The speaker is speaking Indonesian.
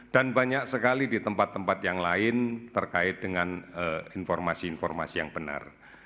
dan banyak sekali di tempat tempat yang lain terkait dengan informasi informasi yang benar